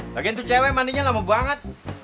bagian tuh cewek mandinya lama banget